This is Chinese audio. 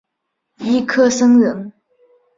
尹克升人。